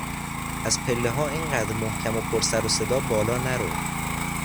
از پلهها اینقدر محکم و پر سر و صدا بالانرو!